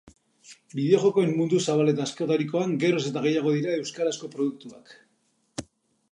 bideojokoen “mundu zabal eta askotarikoan“, geroz eta gehiago dira euskarazko produktuak